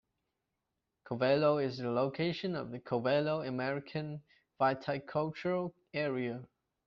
Covelo is the location of the Covelo American Viticultural Area.